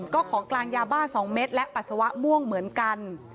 ก็ของกลางยาบ้า๒เม็ดและปัสสาวะม่วงเหมือนกัน